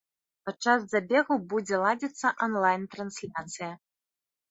Падчас забегу будзе ладзіцца анлайн-трансляцыя.